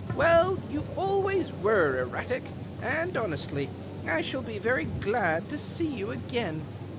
Well, you always were erratic, and, honestly, I shall be very glad to see you again.